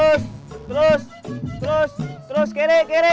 kyodanya theories katsura temen